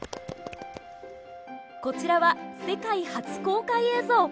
こちらは世界初公開映像！